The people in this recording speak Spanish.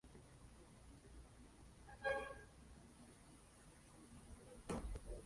Está situado en la Merindad de Sangüesa, en la Comarca de Aoiz.